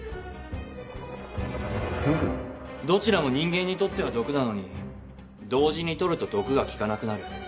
どちらも人間にとっては毒なのに同時に取ると毒が効かなくなる。